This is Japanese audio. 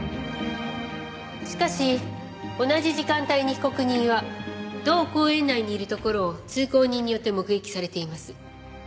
しかし同じ時間帯に被告人は同公園内にいるところを通行人によって目撃されています。